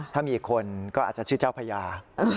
ถ้ามีคนก็อาจจะชื่อเจ้าพญา